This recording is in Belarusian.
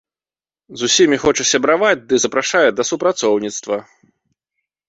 З усімі хоча сябраваць ды запрашае да супрацоўніцтва.